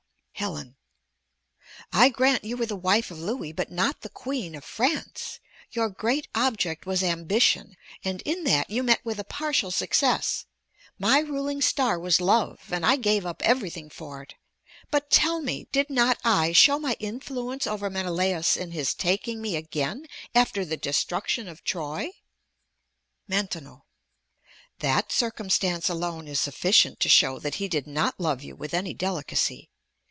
Helen I grant you were the wife of Louis, but not the Queen of France. Your great object was ambition, and in that you met with a partial success; my ruling star was love, and I gave up everything for it. But tell me, did not I show my influence over Menelaus in his taking me again after the destruction of Troy? Maintenon That circumstance alone is sufficient to show that he did not love you with any delicacy.